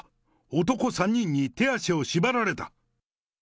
男３人に手足を縛られた。